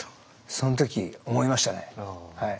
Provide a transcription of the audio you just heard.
その時思いましたね。